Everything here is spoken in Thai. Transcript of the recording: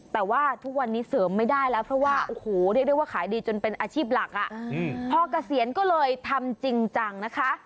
แต่ว่าทุกวันนี้เสริมไม่ได้แล้วเพราะว่าโอ้โหเรียกได้ว่าขายดีจนเป็นอาชีพหลักพอเกษียณก็เลยทำจริงจังนะคะ